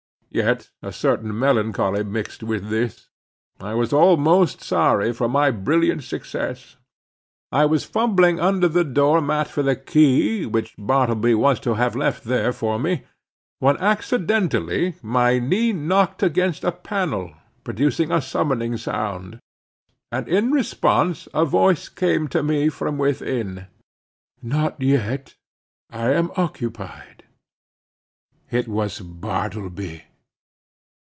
Yet a certain melancholy mixed with this: I was almost sorry for my brilliant success. I was fumbling under the door mat for the key, which Bartleby was to have left there for me, when accidentally my knee knocked against a panel, producing a summoning sound, and in response a voice came to me from within—"Not yet; I am occupied." It was Bartleby.